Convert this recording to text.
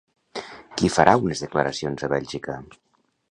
Qui farà unes declaracions a Bèlgica?